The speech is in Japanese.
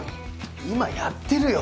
今やってるよ！